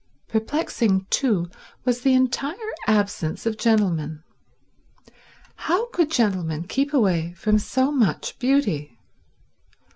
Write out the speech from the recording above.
Perplexing, too, was the entire absence of gentlemen. How could gentlemen keep away from so much beauty?